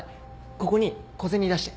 ここに小銭出して。